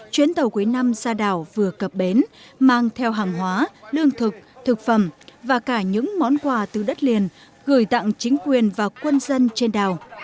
chuyến tàu cuối năm ra đảo vừa cập bến mang theo hàng hóa lương thực thực phẩm và cả những món quà từ đất liền gửi tặng chính quyền và quân dân trên đảo